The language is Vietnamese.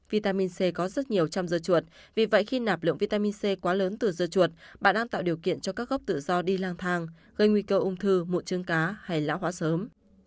vitamin c có rất nhiều trong dưa chuột vì vậy khi nạp lượng vitamin c quá lớn từ dưa chuột bạn đang tạo điều kiện cho các gốc tự do đi lang thang gây nguy cơ ung thư mụn trứng cá hay lão hóa sớm